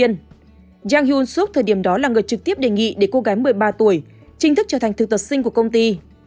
trong thời điểm đó cô gái một mươi ba tuổi trình thức trở thành thực tập sinh của công ty